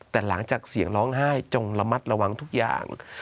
แต่หลังจากเสียงร้องไห้จงระมัดระวังทุกอย่าง